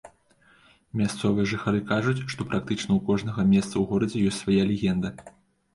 Мясцовыя жыхары кажуць, што практычна ў кожнага месца ў горадзе ёсць свая легенда.